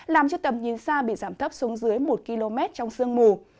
làm cho tầm nhìn xa bị giảm thấp xuống dưới một km trong sương mù